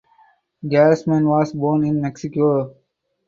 Gasman was born in Mexico.